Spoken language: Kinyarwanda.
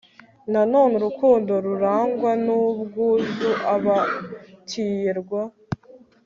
Nanone urukundo rurangwa n ubwuzu aba tiye rwa